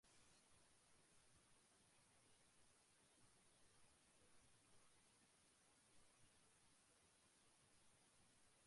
তিনি বর্তমানে জার্মানির পেশাদার ফুটবল লীগের শীর্ষ স্তর বুন্দেসলিগার ক্লাব বায়ার্ন মিউনিখের হয়ে গোলরক্ষক হিসেবে খেলেন।